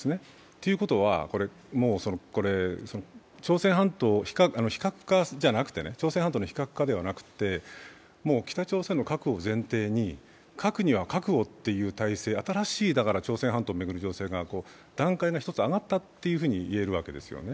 ということは、朝鮮半島の非核化ではなくて、北朝鮮の核を前提に核には核をっていう体制新しい朝鮮半島を巡る情勢、段階が１つ上がったと。